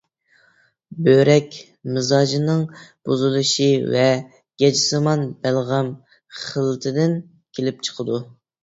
بۆرەك مىزاجىنىڭ بۇزۇلۇشى ۋە گەجسىمان بەلغەم خىلىتىدىن كېلىپ چىقىدۇ.